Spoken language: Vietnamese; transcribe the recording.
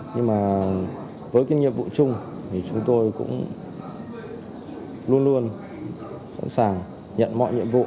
nhưng mà với cái nhiệm vụ chung thì chúng tôi cũng luôn luôn sẵn sàng nhận mọi nhiệm vụ